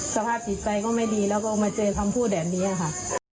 สภาพจิตใจก็ไม่ดีแล้วก็มาเจอคำพูดแบบนี้ค่ะ